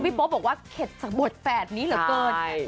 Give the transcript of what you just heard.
คือป๊อปบอกว่าขศชารกิจจากบทแฝดนี้เหลือเบิด